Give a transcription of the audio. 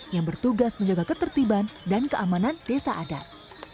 yang bertugas menjaga ketertiban dan keamanan desa adat